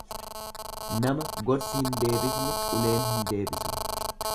Nama gorsi hin deebifne uleen hin deebisu.